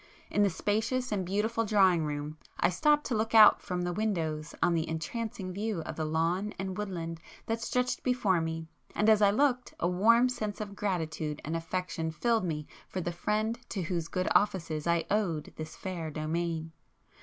In the spacious and beautiful drawing room I stopped to look out from the windows on the entrancing view of lawn and woodland that stretched before me,—and as I looked, a warm sense of gratitude and affection filled me for the friend to whose good offices I owed this fair domain.